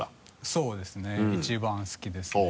そうですね一番好きですね。